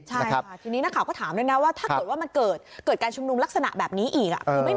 ใช่ค่ะทีนี้นักข่าวก็ถามด้วยนะว่าถ้าเกิดว่ามันเกิดการชุมนุมลักษณะแบบนี้อีก